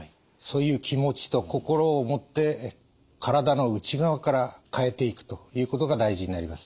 そういう気持ちと心を持って体の内側から変えていくということが大事になります。